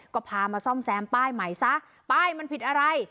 ก็พามาซ่อมแซมป้ายใหม่ซะป้ายมันผิดอะไร